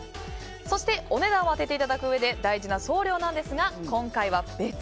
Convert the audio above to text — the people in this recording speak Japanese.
そして、お値段を当てていただくうえで大事な送料ですが今回は、別！